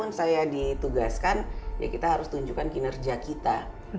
kalau saya ditugaskan ya kita harus tunjukkan kinerja kita